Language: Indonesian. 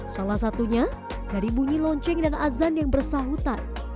salah satunya dari bunyi lonceng dan azan yang bersahutan